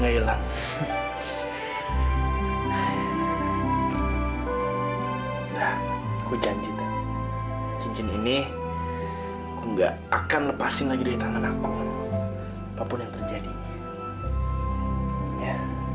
hai aku janji dan cincin ini enggak akan lepasin lagi dari tangan aku apapun yang terjadi ya